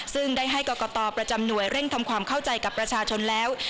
ซึ่งได้ให้กรกตประจำหน่วยเร่งทำความเข้าใจกับประชาชนแล้ว